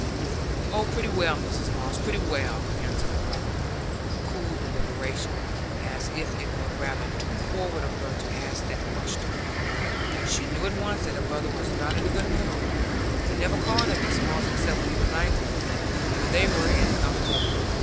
"Oh, pretty well, Mrs Moss, pretty well," answered the brother, with cool deliberation, as if it were rather too forward of her to ask that question. She knew at once that her brother was not in a good humour; he never called her Mrs Moss except when he was angry, and when they were in company.